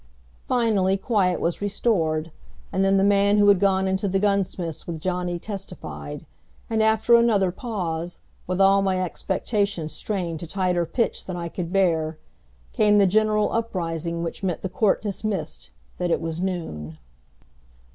Finally quiet was restored, and then the man who had gone into the gunsmith's with Johnny testified; and after another pause, with all my expectations strained to tighter pitch than I could bear, came the general uprising which meant the court dismissed, that it was noon.